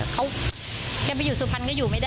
เขาแกไปอยู่สุพรรณก็อยู่ไม่ได้